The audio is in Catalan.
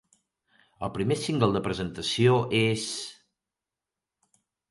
El primer single de presentació és: